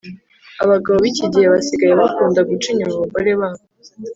abagabo bikigihe basigaye bakunda guca inyuma abagore babo